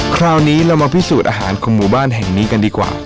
คราวนี้เรามาพิสูจน์อาหารของหมู่บ้านแห่งนี้กันดีกว่า